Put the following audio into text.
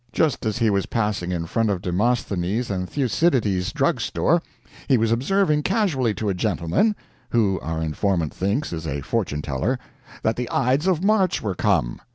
Just as he was passing in front of Demosthenes and Thucydides' drug store, he was observing casually to a gentleman, who, our informant thinks, is a fortune teller, that the Ides of March were come.